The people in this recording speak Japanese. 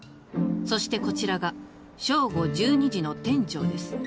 そしてこちらが正午１２時の店長です